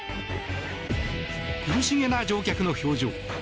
苦しげな乗客の表情。